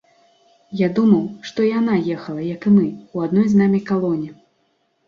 Я думаў, што і яна ехала, як і мы, у адной з намі калоне.